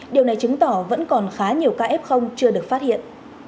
điều này chứng tỏ vẫn còn khá nhiều kf chưa được phát hiện